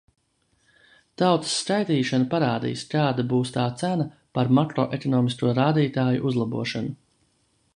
Tautas skaitīšana parādīs, kāda būs tā cena par makroekonomisko rādītāju uzlabošanu.